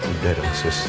udah dong sus